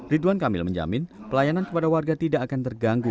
ridwan kamil menjamin pelayanan kepada warga tidak akan terganggu